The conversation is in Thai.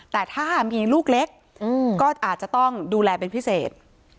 แต่ถ้ามีลูกเล็กก็อาจจะต้องดูแลเป็นพิเศษ